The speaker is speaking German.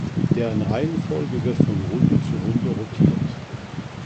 Deren Reihenfolge wird von Runde zu Runde rotiert.